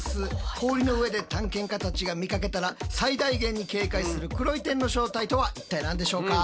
氷の上で探検家たちが見かけたら最大限に警戒する「黒い点」の正体とは一体何でしょうか？